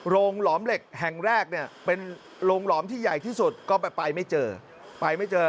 โรงหลอมที่ใหญ่ที่สุดก็ไปไม่เจอไปไม่เจอ